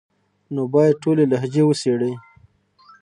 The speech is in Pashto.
نو بايد ټولي لهجې وڅېړي،